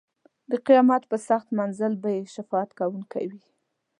د قیامت په سخت منزل به یې شفاعت کوونکی وي.